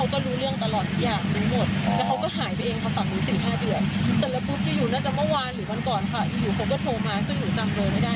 ทุกคนรู้สึกว่าเขากลายของคนที่อยู่พระฤทธิ์